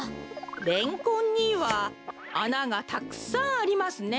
レンコンにはあながたくさんありますね。